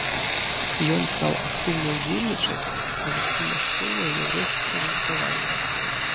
Ён стаў актыўна ўдзельнічаць у жыцці мясцовага яўрэйскага згуртавання.